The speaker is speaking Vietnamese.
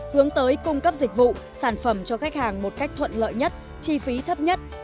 hướng tới cung cấp dịch vụ sản phẩm cho khách hàng một cách thuận lợi nhất chi phí thấp nhất